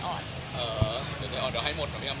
เออเดี๋ยวใจอ่อนเดี๋ยวให้หมดเหรอพี่อำครับ